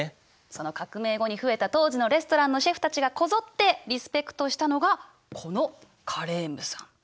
その革命後に増えた当時のレストランのシェフたちがこぞってリスペクトしたのがこのカレームさん。